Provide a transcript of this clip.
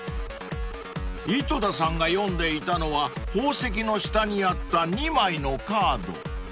［井戸田さんが読んでいたのは宝石の下にあった２枚のカード］